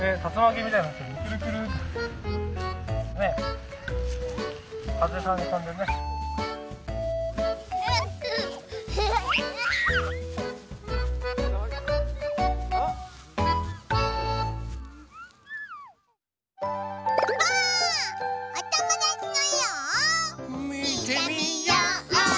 みてみよう！